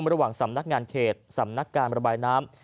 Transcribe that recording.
ระหว่างสำนักงานเกษสำนักการประสมัครมัใบน้ำ